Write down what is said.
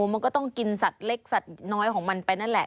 มันก็ต้องกินสัตว์เล็กสัตว์น้อยของมันไปนั่นแหละ